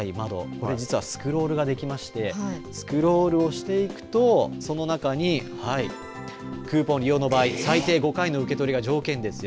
これ実はスクロールができましてスクロールをしていくとその中に、クーポン利用の場合最低５回の受け取りが条件ですよ